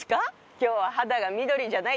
「今日は肌が緑じゃない」？